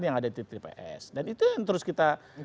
yang ada di tps dan itu yang terus kita